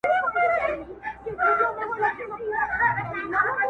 شراب لس خُمه راکړه، غم په سېلاب راکه.